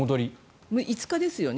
５日ですよね